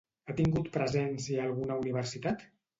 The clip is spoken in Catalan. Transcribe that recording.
Ha tingut presència a alguna universitat?